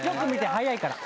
速いから。